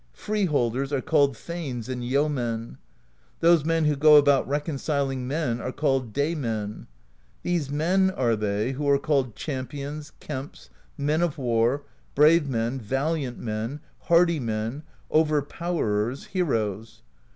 Freeholders are called Thanes and Yeomen; those men who go about reconciling men are called Day Men. These men are they who are called Champions, Kemps, Men of War, Brave Men, Valiant Men, Hardy Men, Overpowerers, Heroes.